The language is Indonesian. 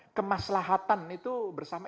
apakah menerjemahkan kemaslahatan itu bersama